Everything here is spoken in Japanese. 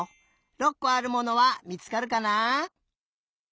６こあるものはみつかるかな？